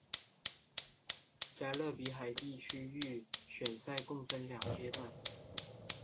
加勒比海地区预选赛共分两阶段。